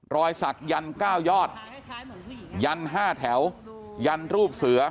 รอยสักยัน๙ยอดยัน๕แถวยันรูปเสือ